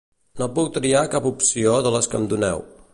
No puc triar cap opció de les que em doneu.